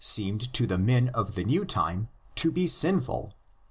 seemed to the men of the new time to be sinful.